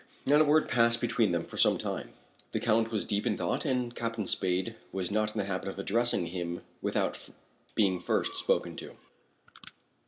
Not a word passed between them for some time; the Count was deep in thought and Captain Spade was not in the habit of addressing him without being first spoken to.